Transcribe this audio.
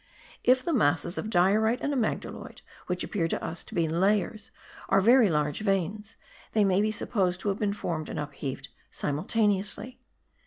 If the masses of diorite and amygdaloid, which appear to us to be layers, are very large veins, they may be supposed to have been formed and upheaved simultaneously.